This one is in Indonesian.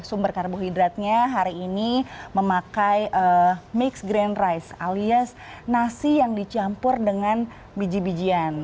jadi sumber karbohidratnya hari ini memakai mixed grain rice alias nasi yang dicampur dengan biji bijian